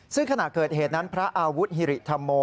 ซึ่งขณะเกิดเหตุนั้นพระอาวุธฮิริธรรมโม